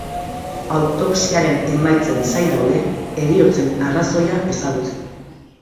Autopsiaren emaitzen zain daude, heriotzen arrazoia ezagutzeko.